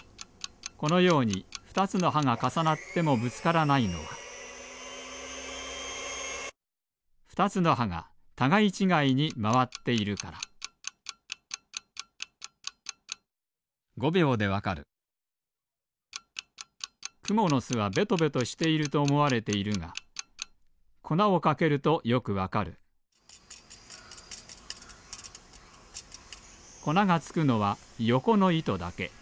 このように２つのはがかさなってもぶつからないのは２つのはがたがいちがいにまわっているからくものすはベトベトしているとおもわれているがこなをかけるとよくわかるこながつくのはよこのいとだけ。